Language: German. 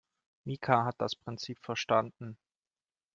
Mika hat das Prinzip verstanden.